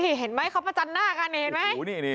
นี่เห็นไหมเขาประจันหน้ากันเห็นไหม